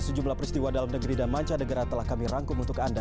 sejumlah peristiwa dalam negeri dan manca negara telah kami rangkum untuk anda